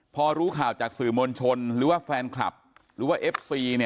พอรู้ข่าวจากสื่อมวลชนหรือว่าแฟนคลับหรือว่าเอฟซี